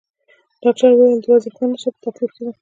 ډاکټر وویل: د وضعې خوند نشته، په تکلیف کې ده.